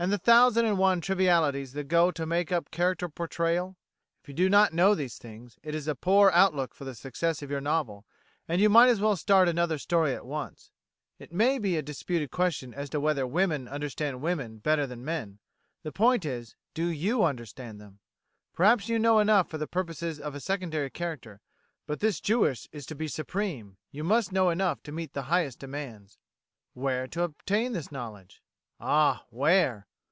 and the thousand and one trivialities that go to make up character portrayal? If you do not know these things, it is a poor look out for the success of your novel, and you might as well start another story at once. It may be a disputed question as to whether women understand women better than men: the point is, do you understand them? Perhaps you know enough for the purposes of a secondary character, but this Jewess is to be supreme; you must know enough to meet the highest demands. Where to obtain this knowledge? Ah! Where!